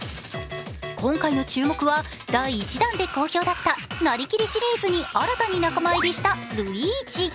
今回の注目は第１弾で好評だったなりきりシリーズに新たに仲間入りしたルイージ。